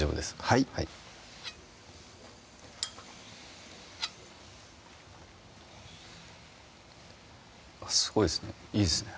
はいすごいですねいいですね